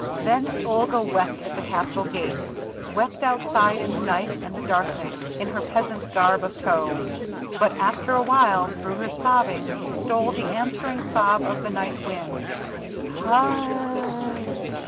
Then Olga wept at the castle gate; wept outside in the night and the darkness, in her peasant's garb of tow. But after awhile through her sobbing, stole the answering sob of the night wind.